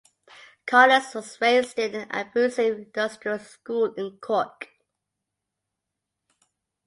Collins was raised in an abusive industrial school in Cork.